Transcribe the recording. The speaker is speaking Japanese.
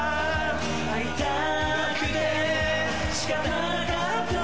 会いたくて仕方なかった